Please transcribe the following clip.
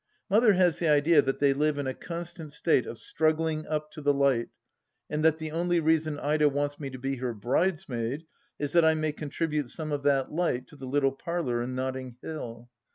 Mother has the idea that they live in a constant state of struggling up to the Light, and that the only reason Ida wants me to be her bridesmaid is that I may contribute some of that light to the little parlour in Notting Hill